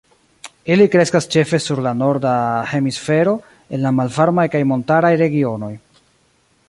Ili kreskas ĉefe sur la norda hemisfero, en la malvarmaj kaj montaraj regionoj.